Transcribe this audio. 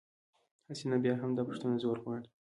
هسې، نه بیا هم، دا پوښتنه زور غواړي.